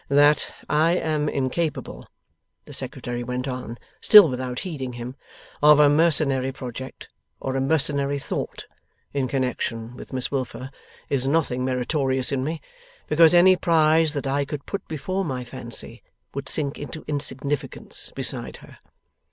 'That I am incapable,' the Secretary went on, still without heeding him, 'of a mercenary project, or a mercenary thought, in connexion with Miss Wilfer, is nothing meritorious in me, because any prize that I could put before my fancy would sink into insignificance beside her.